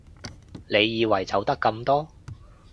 你以為就得咁多？